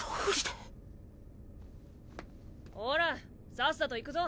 おらさっさと行くぞ。